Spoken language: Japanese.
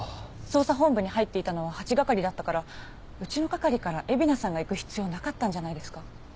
捜査本部に入っていたのは八係だったからうちの係から蝦名さんが行く必要なかったんじゃないですか？